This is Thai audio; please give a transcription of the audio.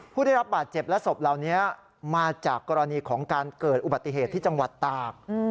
ผู้ได้รับบาดเจ็บและศพเหล่านี้มาจากกรณีของการเกิดอุบัติเหตุที่จังหวัดตาก